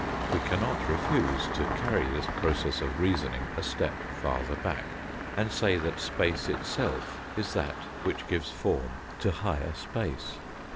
We cannot refuse to carry this process of reasoning a step farther back, and say that space itself is that which gives form to higher, space.